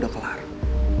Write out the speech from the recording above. kayakka nggak dou ya